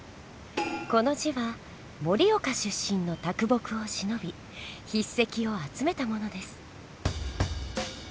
この字は盛岡出身の木をしのび筆跡を集めたものです。